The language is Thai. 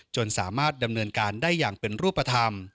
สามารถดำเนินการได้อย่างเป็นรูปธรรม